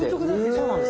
そうなんです。